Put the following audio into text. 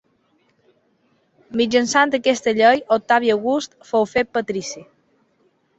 Mitjançant aquesta llei Octavi August fou fet patrici.